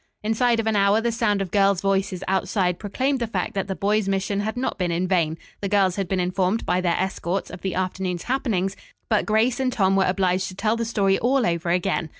Inside of an hour the sound of girls' voices outside proclaimed the fact that the boys' mission had not been in vain. The girls had been informed by their escorts of the afternoon's happenings, but Grace and Tom were obliged to tell the story all over again.